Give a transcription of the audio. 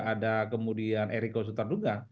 ada kemudian eriko sutarduga